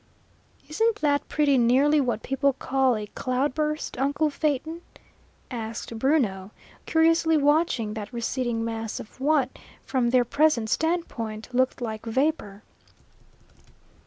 "Isn't that pretty nearly what people call a cloudburst, uncle Phaeton?" asked Bruno, curiously watching that receding mass of what from their present standpoint looked like vapour.